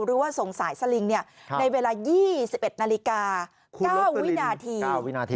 หรือว่าส่งสายสลิงในเวลา๒๑นาฬิกา๙วินาที